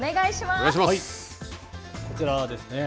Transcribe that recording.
こちらですね。